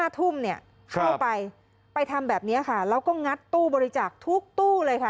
๕ทุ่มเนี่ยเข้าไปไปทำแบบนี้ค่ะแล้วก็งัดตู้บริจาคทุกตู้เลยค่ะ